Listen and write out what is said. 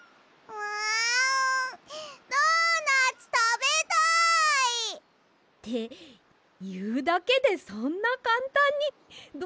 あドーナツたべたい！っていうだけでそんなかんたんにド。